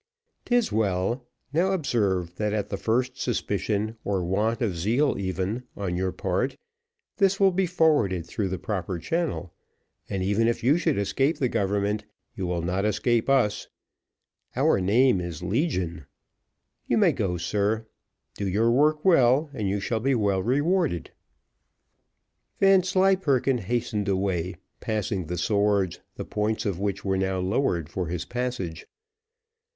"'Tis well: now, observe, that at the first suspicion, or want of zeal, even, on your part, this will be forwarded through the proper channel, and even if you should escape the government, you will not escape us: our name is Legion. You may go, sir; do your work well, and you shall be well rewarded." Vanslyperken hastened away, passing the swords, the points of which were now lowered for his passage.